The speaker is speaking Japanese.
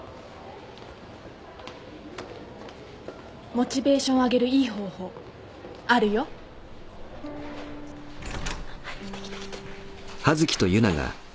モチベーション上げるいい方法あるよ。来て来て来て。